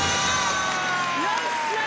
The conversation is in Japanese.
よっしゃー！